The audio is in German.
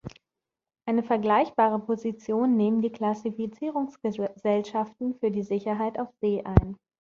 Eine vergleichbare Position nehmen die Klassifizierungsgesellschaften für die Sicherheit auf See ein.